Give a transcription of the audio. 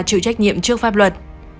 chữ trách nhiệm trước pháp luật